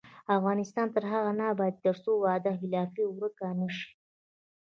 افغانستان تر هغو نه ابادیږي، ترڅو وعده خلافي ورکه نشي.